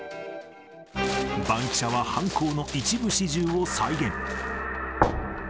バンキシャは犯行の一部始終を再現。